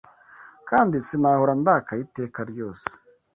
kandi sinahora ndakaye iteka ryose